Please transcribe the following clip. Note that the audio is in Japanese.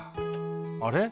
あれ？